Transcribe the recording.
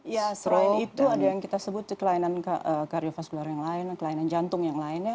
ya selain itu ada yang kita sebut kelainan kardiofaskular yang lain kelainan jantung yang lainnya